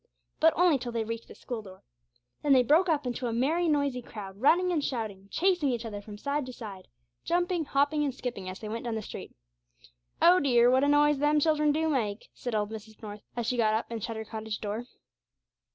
But only till they reached the school door. Then they broke up into a merry noisy crowd, running and shouting, chasing each other from side to side, jumping, hopping, and skipping as they went down the street. 'Oh dear, what a noise them children do make!' said old Mrs. North, as she got up and shut her cottage door.